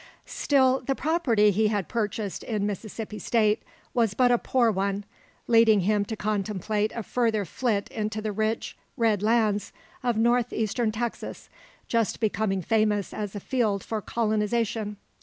Still, the property he had purchased in Mississippi State was but a poor one; leading him to contemplate a further flit into the rich red lands of North Eastern Texas, just becoming famous as a field for colonisation.